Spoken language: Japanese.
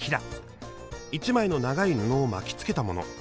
１枚の長い布を巻きつけたもの。